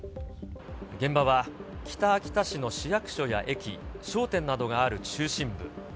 現場は、北秋田市の市役所や駅、商店などがある中心部。